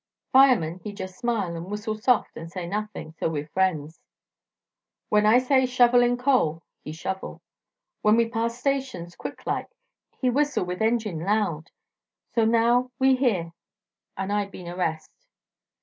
Fireman he jus' smile an' whistle soft an' say nothing; so we friends. When I say 'shovel in coal,' he shovel. When we pass stations quick like, he whistle with engine loud. So now we here an' I been arrest."